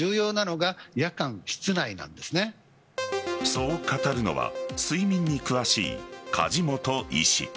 そう語るのは睡眠に詳しい梶本医師。